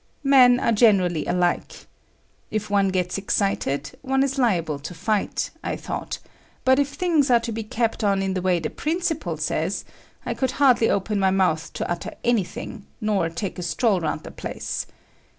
Men are generally alike. If one gets excited, one is liable to fight, I thought, but if things are to be kept on in the way the principal says, I could hardly open my mouth to utter anything, nor take a stroll around the place.